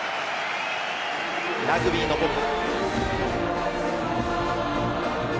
ラグビーの母国。